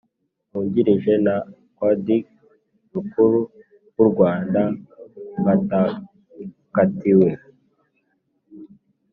wungirije na Qadhi Mukuru w u Rwanda batakatiwe